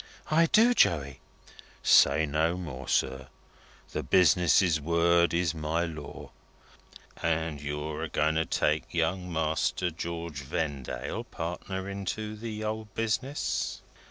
"I do, Joey." "Say no more, sir. The Business's word is my law. And you're a going to take Young Master George Vendale partner into the old Business?"